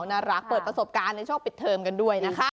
น่ารักเปิดประสบการณ์ในช่วงปิดเทิมกันด้วยนะคะ